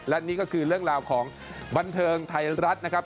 และนี่ก็คือเรื่องราวของบันเทิงไทยรัฐนะครับ